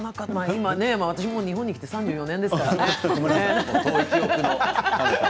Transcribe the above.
今、私は日本に来て３４年ですからね。